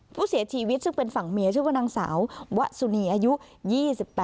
ผู้เสียชีวิตซึ่งเป็นฝั่งเมียชื่อว่านางสาววะสุนีอายุ๒๘